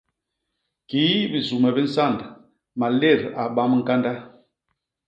Kii bisume bi nsand, malét a bam ñkanda.